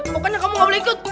pokoknya kamu gak boleh ikut